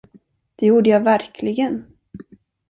Det gjorde jag verkligen.